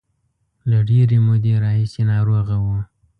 له ډېرې مودې راهیسې ناروغه و.